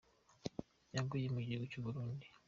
Yaguye mu gihugu cy’ u Burundi.